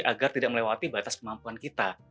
agar tidak melewati batas kemampuan kita